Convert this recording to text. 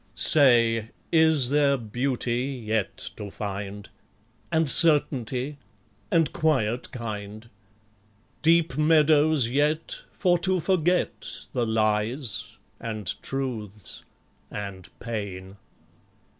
Say, is there Beauty yet to find? And Certainty? and Quiet kind? Deep meadows yet, for to forget The lies, and truths, and pain?